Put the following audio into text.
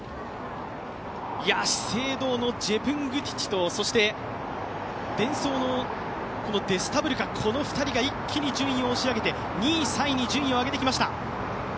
資生堂のジェプングティチとデンソーのデスタ・ブルカが一気に順位を押し上げて２位、３位に順位を上げてきました